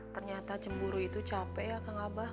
ternyata cemburu itu capek ya kang abah